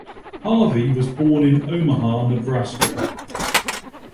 Harvey was born in Omaha, Nebraska.